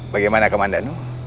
bagaimana kamu anda